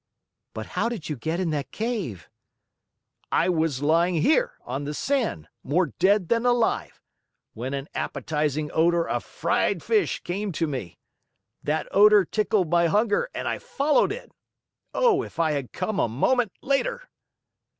"But how did you get in that cave?" "I was lying here on the sand more dead than alive, when an appetizing odor of fried fish came to me. That odor tickled my hunger and I followed it. Oh, if I had come a moment later!"